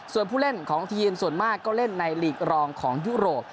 ส่วนผู้เล่นของทีมส่วนมากก็เล่นในหลีกรองของยุโรป